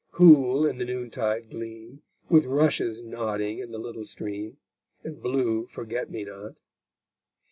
Cool in the noon tide gleam, With rushes nodding in the little stream, And blue forget me not.